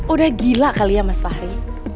udah gila kali ya mas fahri